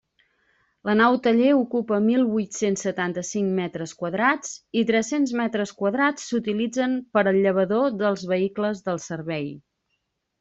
La nau-taller ocupa mil huit-cents setanta-cinc metres quadrats i tres-cents metres quadrats s'utilitzen per al llavador dels vehicles del servei.